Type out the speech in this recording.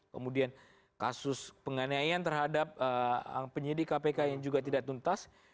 kemudian kasus penganiayaan terhadap penyidik kpk yang juga tidak tuntas